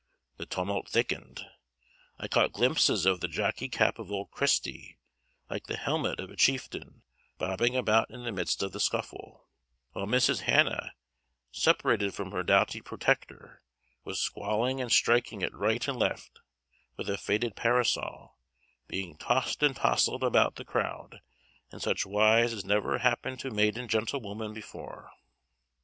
The tumult thickened; I caught glimpses of the jockey cap of old Christy, like the helmet of a chieftain, bobbing about in the midst of the scuffle; while Mrs. Hannah, separated from her doughty protector, was squalling and striking at right and left with a faded parasol; being tossed and tousled about by the crowd in such wise as never happened to maiden gentlewoman before.